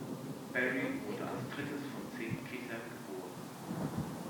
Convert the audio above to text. Barry wurde als drittes von zehn Kindern geboren.